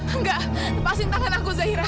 enggak lepasin tangan aku zahira